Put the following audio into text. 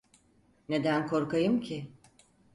Neden korkayım ki?